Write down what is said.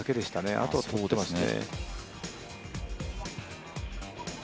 あとは取れてますね。